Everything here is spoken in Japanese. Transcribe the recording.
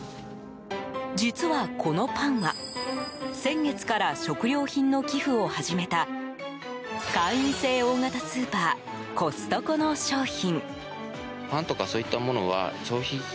実は、このパンは先月から食料品の寄付を始めた会員制大型スーパーコストコの商品。